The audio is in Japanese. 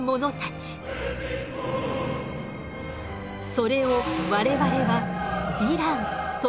それを我々は「ヴィラン」と呼びます。